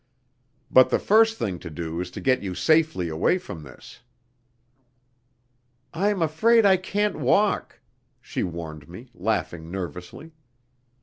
But the first thing to do is to get you safely away from this." "I'm afraid I can't walk!" she warned me, laughing nervously.